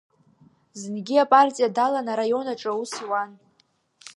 Зынгьы апартиа далан, араион аҿы аус иуан…